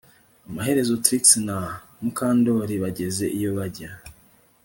Amaherezo Trix na Mukandoli bageze iyo bajya